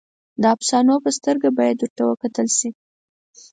د افسانو په سترګه باید ورته وکتل شي.